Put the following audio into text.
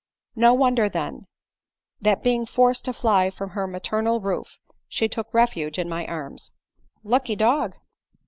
" No wonder then, that being forced to fly from her maternal roof, she took refuge in my arms." " Lucky dog